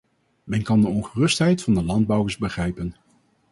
Men kan de ongerustheid van de landbouwers begrijpen.